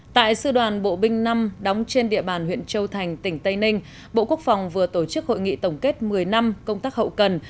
tại sư đoàn bộ binh năm đóng trên địa bàn huyện châu thành tỉnh tây ninh bộ quốc phòng vừa tổ chức hội nghị tổng kết một mươi năm công tác hậu cần